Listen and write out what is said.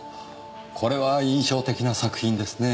これは印象的な作品ですね。